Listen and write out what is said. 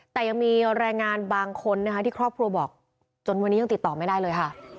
แต่ยังมีแรงงานบางคนนะคะที่ครอบครัวบอกจนวันนี้ยังติดต่อไม่ได้เลยค่ะ